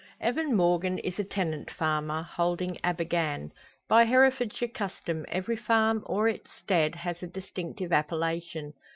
Evan Morgan is a tenant farmer, holding Abergann. By Herefordshire custom, every farm or its stead, has a distinctive appellation.